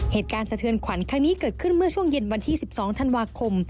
สะเทือนขวัญครั้งนี้เกิดขึ้นเมื่อช่วงเย็นวันที่๑๒ธันวาคม